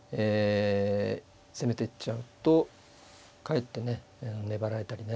攻めてっちゃうとかえってね粘られたりね。